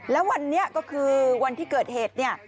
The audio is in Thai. แล้ววันนี้ก็คือวันที่เกิดเหตุเนี่ย